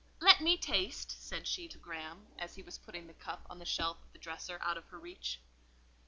"Let me taste," said she to Graham, as he was putting the cup on the shelf of the dresser out of her reach.